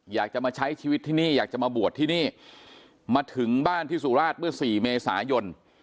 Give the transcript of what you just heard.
อยากจะมาใช้ชีวิตที่นี่อยากจะมาบวชที่นี่มาถึงบ้านที่สุราชเมื่อสี่เมษายน